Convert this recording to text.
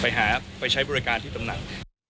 ไปหาไปใช้บริการที่ตำหนัก